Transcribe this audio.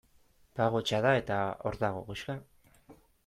Pagotxa da, eta hor dago koxka.